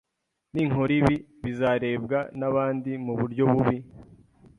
Ninkora ibi, bizarebwa nabandi muburyo bubi?